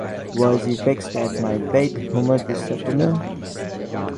Was he vexed at my bad humour this afternoon?